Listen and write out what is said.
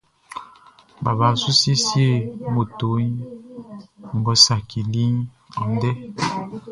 Baba su siesie moto ngʼɔ saciliʼn andɛ.